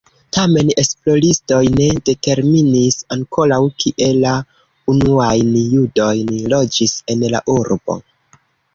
Tamen, esploristoj ne determinis ankoraŭ kie la unuajn judojn loĝis en la urbo.